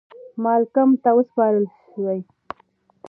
مالکم ته وسپارل سوې.